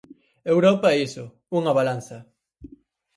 Europa é iso: unha balanza.